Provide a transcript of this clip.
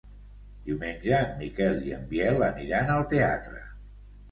Diumenge en Miquel i en Biel aniran al teatre.